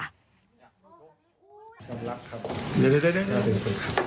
เดี๋ยวครับ